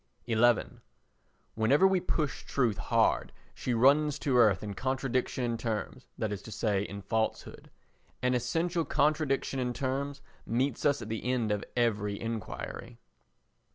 xi Whenever we push truth hard she runs to earth in contradiction in terms, that is to say, in falsehood. An essential contradiction in terms meets us at the end of every enquiry.